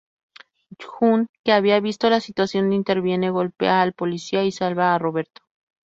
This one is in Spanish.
Jun, que había visto la situación, interviene, golpea al policía y salva a Roberto.